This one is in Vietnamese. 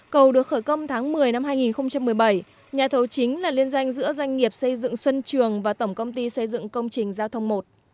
cầu được khởi công tháng một mươi năm hai nghìn một mươi bảy nhà thầu chính là liên doanh giữa doanh nghiệp xây dựng xuân trường và tổng công ty xây dựng công trình giao thông một